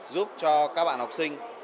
giúp cho các bạn học sinh